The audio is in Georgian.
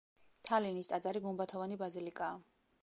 თალინის ტაძარი გუმბათოვანი ბაზილიკაა.